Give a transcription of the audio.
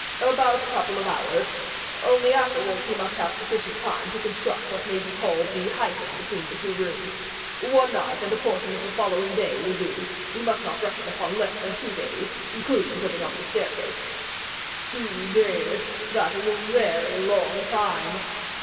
"About a couple of hours; only afterwards he must have sufficient time to construct what may be called the hyphen between the two rooms. One night and a portion of the following day will do; we must not reckon upon less than two days, including putting up the staircase." "Two days, that is a very long time."